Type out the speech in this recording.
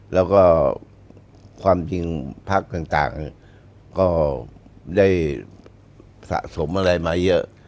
แล้วก็ความดินพรรคต่างก็ได้สะสมมาเยอะ